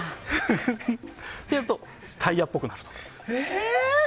するとタイヤっぽくなると。